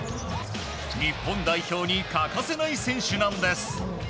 日本代表に欠かせない選手なんです。